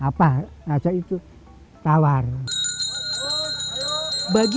bagi umat hindu yang mengambil air tawar ini itu bagi kita itu bagi kita